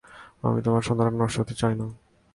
আমি তোমার সন্ধ্যাটা নষ্ট করতে চাইনা।